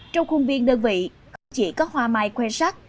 trong khung biên đơn vị không chỉ có hoa mai khuê sắc